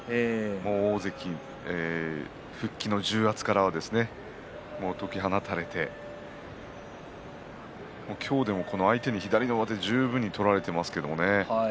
大関復帰の重圧から解き放たれて今日でも、相手に左上手、十分に取られていますけどね